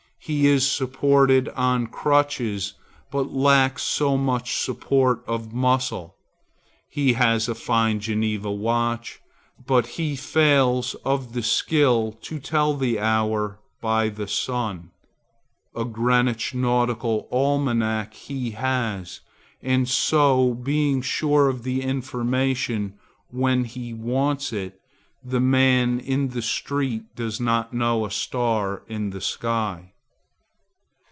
He is supported on crutches, but lacks so much support of muscle. He has a fine Geneva watch, but he fails of the skill to tell the hour by the sun. A Greenwich nautical almanac he has, and so being sure of the information when he wants it, the man in the street does not know a star in the sky.